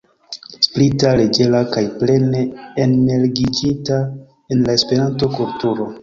Sprita, leĝera kaj plene enmergiĝinta en la Esperanto-kulturo.